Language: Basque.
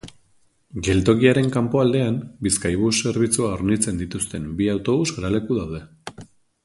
Geltokiaren kanpoaldean Bizkaibus zerbitzua hornitzen dituzten bi autobus geraleku daude.